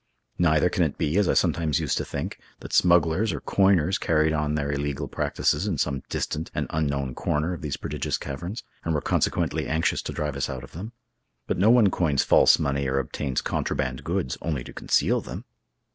Neither can it be, as I sometimes used to think, that smugglers or coiners carried on their illegal practices in some distant and unknown corner of these prodigious caverns, and were consequently anxious to drive us out of them. But no one coins false money or obtains contraband goods only to conceal them!